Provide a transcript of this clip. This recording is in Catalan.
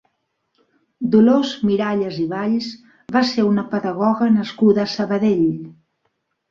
Dolors Miralles i Valls va ser una pedagoga nascuda a Sabadell.